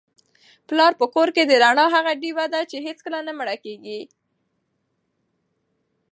پلار په کور کي د رڼا هغه ډېوه ده چي هیڅکله نه مړه کیږي.